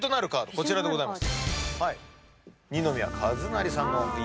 こちらでございます。